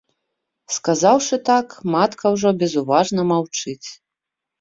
Сказаўшы так, матка ўжо безуважна маўчыць.